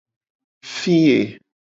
Fiye.